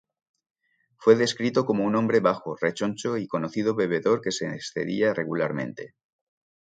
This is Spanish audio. Fue descrito como un hombre bajo, rechoncho y conocido bebedor que se excedía regularmente.